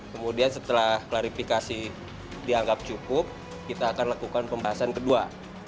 kemudian setelah klarifikasi dianggap cukup kita akan lakukan pembahasan kedua